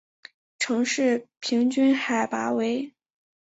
城市平均海拔为。